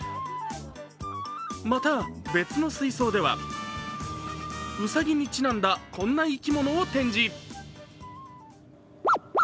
また、別の水槽ではうさぎにちなんだこんな生き物を展示。